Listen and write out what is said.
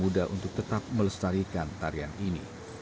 muda untuk tetap melestarikan tarian ini